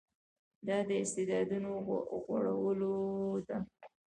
دا د استعدادونو غوړولو ده.